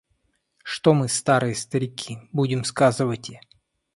Что мы, старые старики, будем сказывати.